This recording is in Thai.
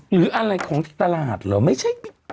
หรืออะไรของตลาดเหรอไม่ใช่